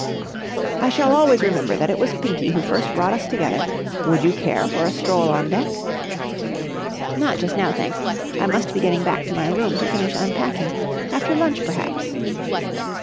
"I shall always remember that it was Pinky who first brought us together. Would you care for a stroll on deck?" "Not just now, thanks. I must be getting back to my room to finish unpacking. After lunch, perhaps."